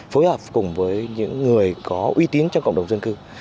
phối hợp cùng với những người có uy tín trong cộng đồng dân cư